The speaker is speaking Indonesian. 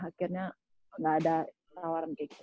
akhirnya gak ada tawaran kayak gitu